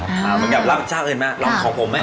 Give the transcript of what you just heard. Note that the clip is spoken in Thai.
มึงกับลำจากอื่นมากลองของผมไหม